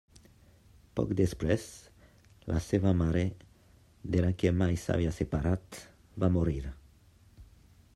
Poc després, la seva mare, de la que mai s’havia separat, va morir.